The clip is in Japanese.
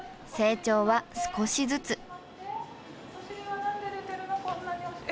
成長は少しずつ。